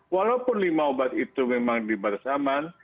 walaupun lima obat itu memang di batas aman